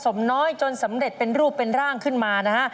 สมน้อยจนสำเร็จเป็นรูปเป็นร่างขึ้นมานะฮะ